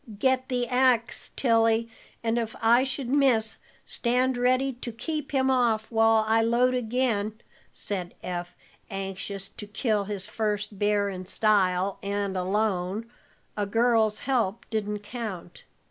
"Get the ax, Tilly, and if I should miss, stand ready to keep him off while I load again," said Eph, anxious to kill his first bear in style and alone; a girl's help didn't count.